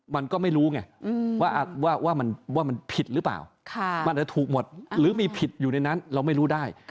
มันก็ไม่รู้ไงว่ามันผิดหรือเปล่ามันอาจจะถูกหมดหรือมีผิดอยู่ในนั้นเราไม่รู้ได้